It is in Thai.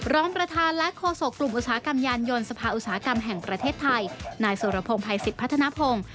รองประธานและโฆษกกลุ่มอุตสาหกรรมยานยนต์สภาอุตสาหกรรมแห่งประเทศไทยนายสุรพงศ์ภัยสิทธิพัฒนภง